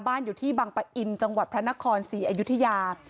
อยู่ที่บังปะอินจังหวัดพระนครศรีอยุธยา